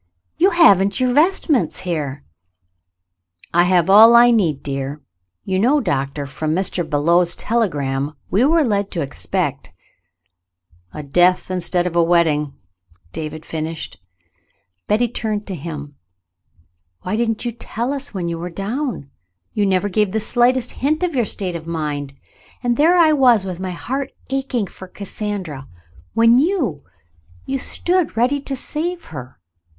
"You haven't your vest ments here !" "I have all I need, dear. You know. Doctor, from Mr. Belew's telegram we were led to expect —" "A death instead of a wedding.''" David finished. Betty turned to him. "Why didn't you tell us when you were down ? You never gave the slightest hint of your state of mind, and there I was with my heart aching for Cassandra, when you — you stood ready to save her.